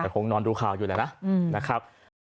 แต่คงนอนดูข่าวอยู่แล้วนะนะครับ